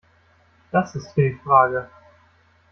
Das ist hier die Frage.